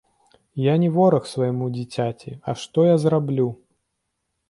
Я не вораг свайму дзіцяці, а што я зраблю?